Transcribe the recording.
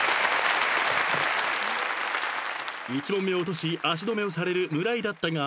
［１問目を落とし足止めをされる村井だったが］